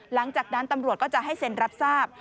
หลังจากนั้นตำรวจก็จะให้เซ็นรับทราบ